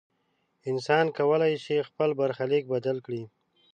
انسان کولی شي خپل برخلیک بدل کړي.